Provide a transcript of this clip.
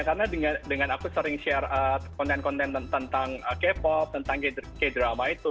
karena dengan aku sering share konten konten tentang k pop tentang kaya drama itu